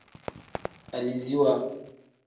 Aliziwa.